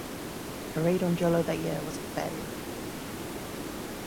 A raid on Jolo that year was a failure.